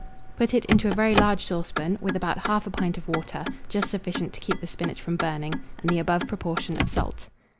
Put it into a very large saucepan, with about 1/2 pint of water, just sufficient to keep the spinach from burning, and the above proportion of salt.